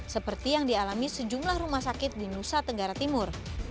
seperti yang dialami sejumlah rumah sakit di nusa tenggara timur